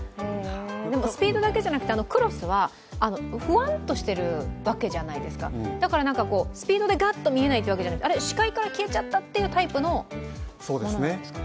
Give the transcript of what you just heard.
スピードだけじゃなくてクロスはふわんとしているわけじゃないですかスピードでガッと見えないわけじゃなくて視界から消えちゃったというタイプのものなんですか？